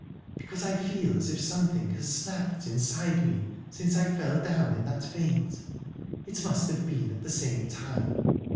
"Because I feel as if something has snapped inside me since I fell down in that faint. It must have been at the same time...